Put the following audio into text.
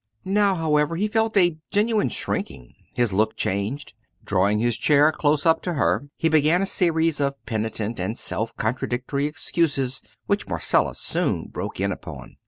Now however he felt a genuine shrinking. His look changed. Drawing his chair close up to her he began a series of penitent and self contradictory excuses which Marcella soon broke in upon.